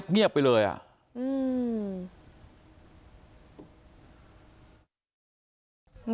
เงียบไปเลยอ่ะอืม